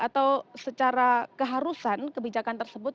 atau secara keharusan kebijakan tersebut